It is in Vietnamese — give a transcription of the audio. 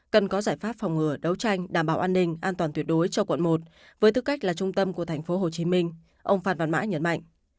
cần có giải pháp phòng ngừa đấu tranh đảm bảo an ninh an toàn tuyệt đối cho quận một với tư cách là trung tâm của tp hcm ông phan văn mãi nhấn mạnh